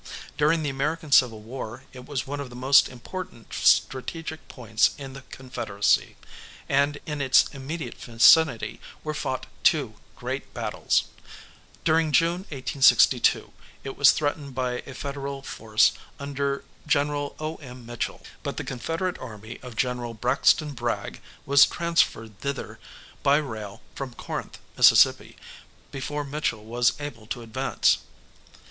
During the American Civil War it was one of the most important strategic points in the Confederacy, and in its immediate vicinity were fought two great battles. During June 1862 it was threatened by a Federal force under General O.M. Mitchel, but the Confederate army of General Braxton Bragg was transferred thither by rail from Corinth, Miss., before Mitchel was able to advance.